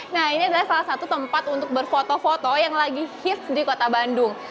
nah ini adalah salah satu tempat untuk berfoto foto yang lagi hits di kota bandung